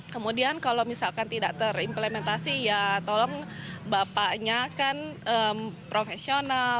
kemudian kalau misalkan tidak terimplementasi ya tolong bapaknya kan profesional